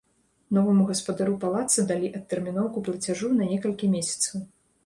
Новаму гаспадару палаца далі адтэрміноўку плацяжу на некалькі месяцаў.